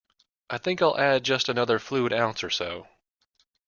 I think I'll add just another fluid ounce or so.